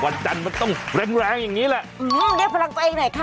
วันจันทร์มันต้องแรงแรงอย่างนี้แหละอืมได้พลังใจเนอะค่ะ